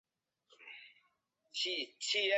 也可以通过轮渡到达科西嘉岛的另外几个城市。